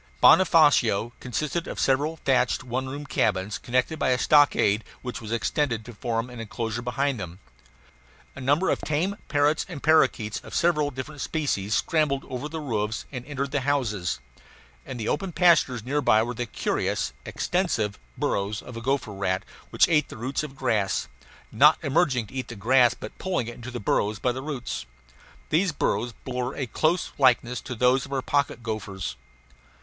Bonofacio consisted of several thatched one room cabins, connected by a stockade which was extended to form an enclosure behind them. A number of tame parrots and parakeets, of several different species, scrambled over the roofs and entered the houses. In the open pastures near by were the curious, extensive burrows of a gopher rat, which ate the roots of grass, not emerging to eat the grass but pulling it into the burrows by the roots. These burrows bore a close likeness to those of our pocket gophers.